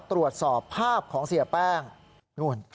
ตรวจสอบภาพของเสียแป้งนู่น